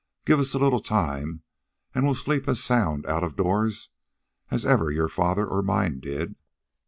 Give us a little time, and we'll sleep as sound out of doors as ever your father or mine did."